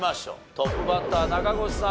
トップバッター中越さん